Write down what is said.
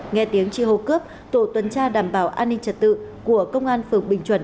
nghe tiếng chi hô cướp tổ tuần tra đảm bảo an ninh trật tự của công an phường bình chuẩn